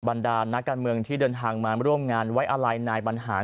บรรดานต์นักการเมืองที่เดินทางมามาร่วมงานวัยละไลน์ดนายบรรหาร